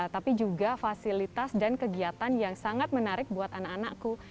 tapi juga fasilitas dan kegiatan yang sangat menarik buat anak anakku